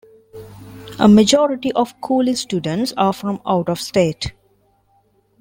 A majority of Cooley students are from out-of-state.